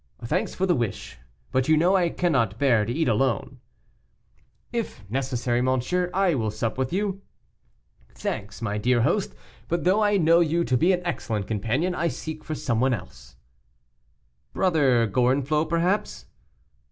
"Thanks for the wish, but you know I cannot bear to eat alone." "If necessary, monsieur, I will sup with you." "Thanks, my dear host, but though I know you to be an excellent companion, I seek for some one else." "Brother Gorenflot, perhaps?"